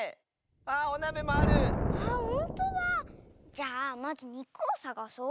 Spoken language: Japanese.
じゃあまずにくをさがそう。